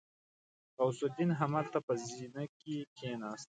غوث الدين همالته په زينه کې کېناست.